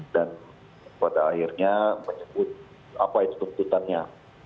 dan pada akhirnya menyebut apa itu tuntutannya